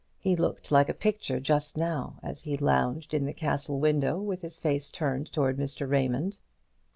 He looked like a picture just now as he lounged in the castle window, with his face turned towards Mr. Raymond.